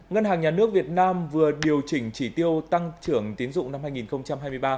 ngân hàng nhà nước việt nam vừa điều chỉnh chỉ tiêu tăng trưởng tiến dụng năm hai nghìn hai mươi ba